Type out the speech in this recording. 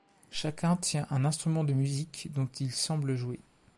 Chacun tient un instrument de musique dont il semble jouer.